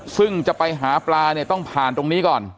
ซึ่งจะไปหาปลาเนี่ยต้องผ่านตรงนี้ก่อน